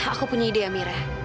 aku punya ide amira